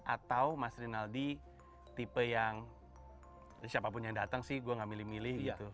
atau mas rinaldi tipe yang siapapun yang datang sih gue gak milih milih gitu